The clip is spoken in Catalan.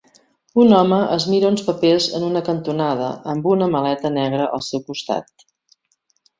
Un home es mira uns papers en una cantonada amb una maleta negra al seu costat.